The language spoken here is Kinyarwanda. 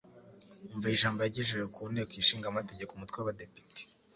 umva ijambo yagejeje ku nteko ishinga amategeko umutwe w'abadepite